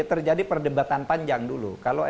terjadi perdebatan panjang dulu kalau